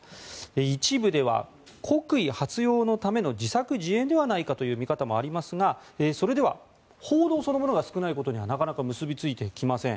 一部では国威発揚のための自作自演ではないかという見方もありますがそれでは報道そのものが少ないことにはなかなか結びついてきません。